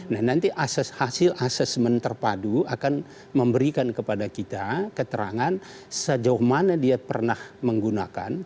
nah nanti hasil asesmen terpadu akan memberikan kepada kita keterangan sejauh mana dia pernah menggunakan